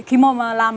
khi mà làm